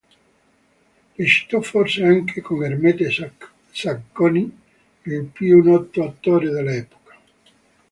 Recitò forse anche con Ermete Zacconi, il più noto attore dell'epoca.